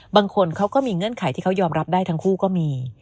บางคนเขาก็มีเงื่อนไขที่เขายอมรับได้ทั้งคู่ก็มี